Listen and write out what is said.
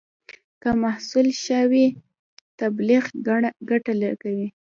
که محصول ښه نه وي، تبلیغ ګټه نه کوي.